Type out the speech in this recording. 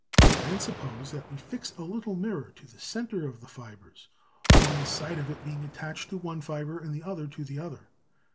Then suppose that we fix a little mirror to the centre of the fibres, one side of it being attached to one fibre and the other to the other.